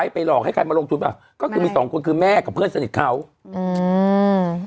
ไปหลอกให้ใครมาลงทุนป่ะก็คือมีสองคนคือแม่กับเพื่อนสนิทเขาอืม